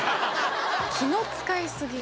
気の使い過ぎ。